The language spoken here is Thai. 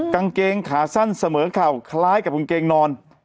กางเกงขาสั้นเสมอเข่าคล้ายกับกางเกงนอน